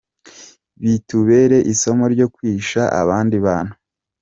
Bitubere isomo ryo kwisha abandi bantu.